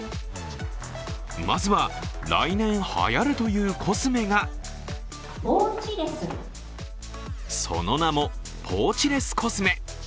まずは、来年はやるというコスメがその名も、ポーチレスコスメ。